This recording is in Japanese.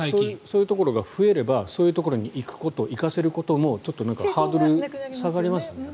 そういうところが増えればそういうところに行かせることもちょっとハードルが下がりますよね。